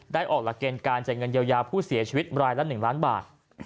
ออกหลักเกณฑ์การจ่ายเงินเยียวยาผู้เสียชีวิตรายละ๑ล้านบาท